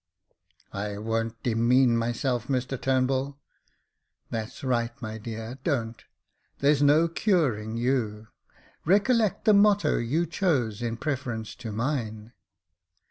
" I won't demean myself, Mr Turnbull." That's right, my dear, don't ; there's no curing you. Recollect the motto you chose in preference to mine."